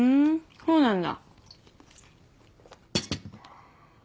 そうなんだ。